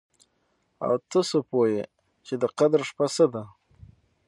او ته څه پوه يې چې د قدر شپه څه ده؟